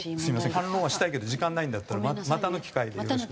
反論はしたいけど時間ないんだったらまたの機会でよろしく。